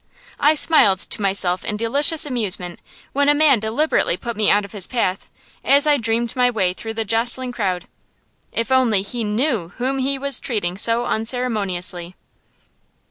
I smiled to myself in delicious amusement when a man deliberately put me out of his path, as I dreamed my way through the jostling crowd; if he only knew whom he was treating so unceremoniously!